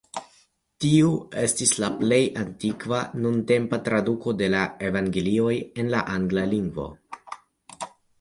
Tiu estis la plej antikva nuntempa traduko de la Evangelioj en la angla lingvo.